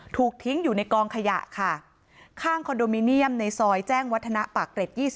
ถูกทิ้งอยู่ในกองขยะค่ะข้างคอนโดมิเนียมในซอยแจ้งวัฒนะปากเกร็ด๒๐